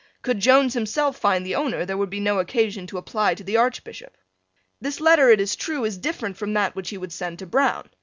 Could Jones himself find the owner there would be no occasion to apply to the Archbishop. This letter, it is true, is different from that which he would send to Browne.